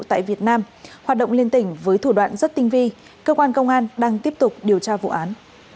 tại việt nam hoạt động liên tỉnh với thủ đoạn rất tinh vi cơ quan công an đang tiếp tục điều tra vụ án